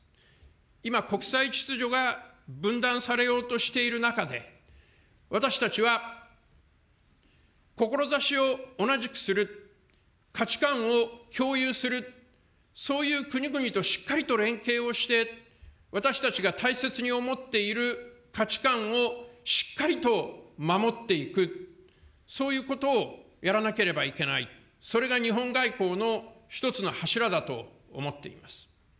今、国際秩序が分断されようとしている中で、私たちは志を同じくする、価値観を共有する、そういう国々としっかりと連携をして、私たちが大切に思っている価値観をしっかりと守っていく、そういうことをやらなければいけない、それが日本外交の一つの柱だと思っています。